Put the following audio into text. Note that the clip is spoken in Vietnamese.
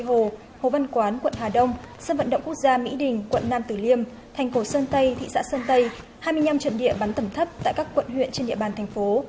hồ hồ văn quán quận hà đông sân vận động quốc gia mỹ đình quận nam tử liêm thành cổ sơn tây thị xã sơn tây hai mươi năm trận địa bắn tầm thấp tại các quận huyện trên địa bàn thành phố